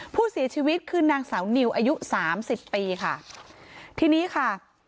ผู้เสียชีวิตคือนางสาวนิวอายุสามสิบปีค่ะทีนี้ค่ะ